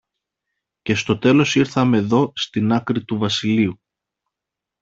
και στο τέλος ήρθαμε δω, στην άκρη του βασιλείου